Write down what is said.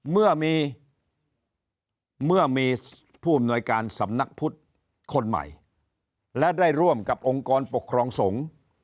เมื่อมีผู้อำนวยการสำนักพุทธคนใหม่และได้ร่วมกับองค์กรปกครองสงฆ์